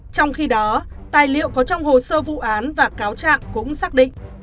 trong khi đó tài liệu có trong hồ sơ vụ án và cáo trạng cũng xác định